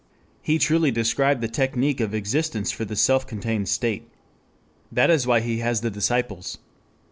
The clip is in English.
He truly described the technic of existence for the self contained state. That is why he has the disciples.